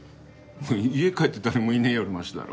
家帰って誰もいねぇよりマシだろ。